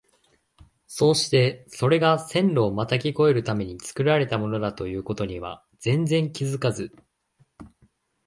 そうしてそれが線路をまたぎ越えるために造られたものだという事には全然気づかず、